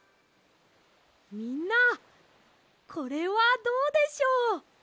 みんなこれはどうでしょう？